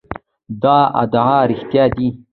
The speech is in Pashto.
دا ادعا رښتیا ده.